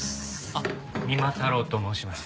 あっ三馬太郎と申します。